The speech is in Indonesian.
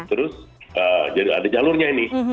terus ada jalurnya ini